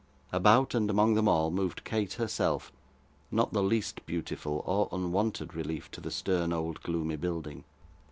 About and among them all, moved Kate herself, not the least beautiful or unwonted relief to the stern, old, gloomy building.